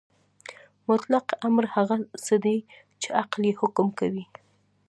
مطلق امر هغه څه دی چې عقل یې حکم کوي.